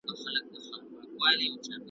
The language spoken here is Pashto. یو د بل خوښي یې غم وي یو د بل په غم خوښیږي .